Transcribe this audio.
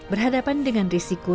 berhadapan dengan risiko